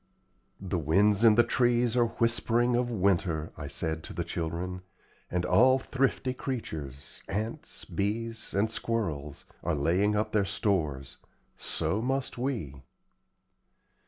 "The winds in the trees are whispering of winter," I said to the children, "and all thrifty creatures ants, bees, and squirrels are laying up their stores. So must we."